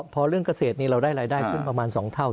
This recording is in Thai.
พอเรื่องเกษตรนี้เราได้รายได้ขึ้นประมาณ๒เท่า